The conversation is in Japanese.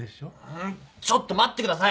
んちょっと待ってください！